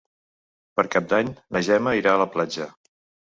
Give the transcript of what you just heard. Per Cap d'Any na Gemma irà a la platja.